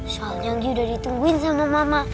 soalnya dia udah ditungguin sama mama